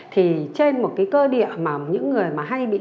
thì trên một cái cơ địa mà những người mà hay bị